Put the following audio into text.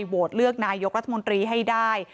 โหวตเลือกนายกรัฐมนตรีให้ได้